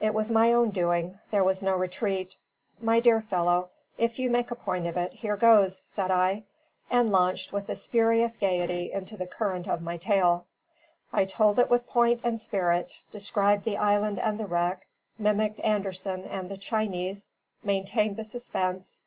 It was my own doing; there was no retreat. "My dear fellow, if you make a point of it, here goes!" said I, and launched with spurious gaiety into the current of my tale. I told it with point and spirit; described the island and the wreck, mimicked Anderson and the Chinese, maintained the suspense....